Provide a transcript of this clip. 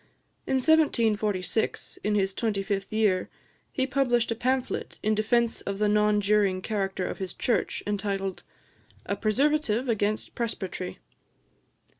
In 1746, in his twenty fifth year, he published a pamphlet, in defence of the non juring character of his Church, entitled "A Preservative against Presbytery."